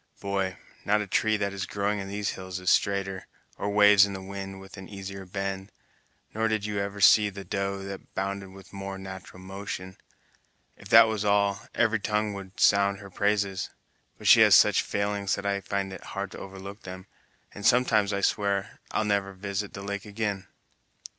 Boy, not a tree that is growing in these hills is straighter, or waves in the wind with an easier bend, nor did you ever see the doe that bounded with a more nat'ral motion. If that was all, every tongue would sound her praises; but she has such failings that I find it hard to overlook them, and sometimes I swear I'll never visit the lake again."